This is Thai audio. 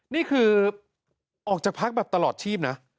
นี่คือออกจากพักแบบตลอดชีพนะ